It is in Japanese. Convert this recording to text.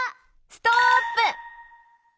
ストップ！